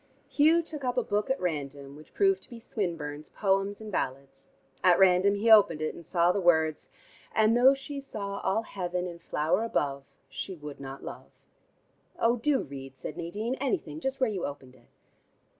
Hugh took up a book at random, which proved to be Swinburne's "Poems and Ballads." At random he opened it, and saw the words: "And though she saw all heaven in flower above, She would not love." "Oh, do read," said Nadine. "Anything: just where you opened it."